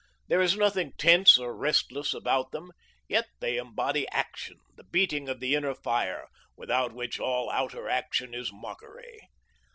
There is nothing tense or restless about them, yet they embody action, the beating of the inner fire, without which all outer action is mockery.